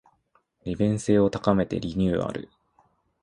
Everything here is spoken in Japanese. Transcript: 利便性を高めてリニューアル